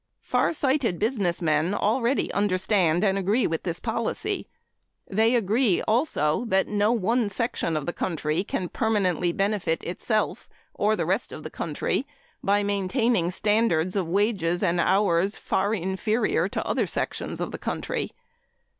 Farsighted businessmen already understand and agree with this policy. They agree also that no one section of the country can permanently benefit itself, or the rest of the country, by maintaining standards of wages and hours far inferior to other sections of the country.